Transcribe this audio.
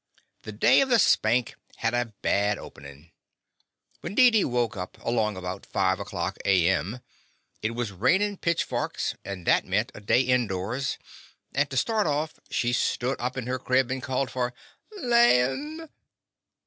The day of the Spank had a bad openin'. When Deedee woke up, along about five o'clock a.m., it was rainin' pitchforks, and that meant a day indoors, and to start off, she stood up in her crib and called for "laim."